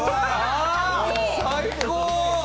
最高。